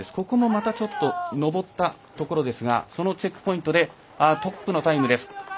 ここもまたちょっと上ったところですがそのチェックポイントでトップのタイムです。